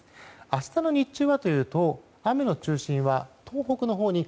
明日の日中はというと雨の中心は東北のほうに